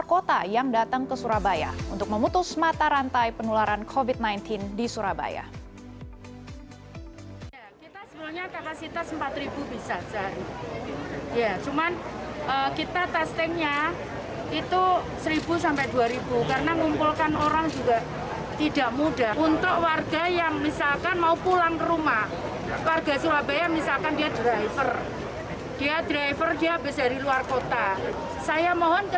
wali kota yang datang ke surabaya untuk memutus mata rantai penularan covid sembilan belas di surabaya